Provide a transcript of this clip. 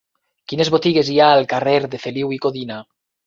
Quines botigues hi ha al carrer de Feliu i Codina?